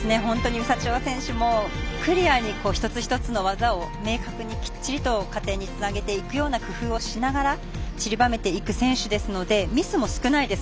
ウサチョワ選手もクリアに一つ一つの技を明確にきっちりと加点につなげていくような工夫をしながらちりばめていく選手ですのでミスも少ないです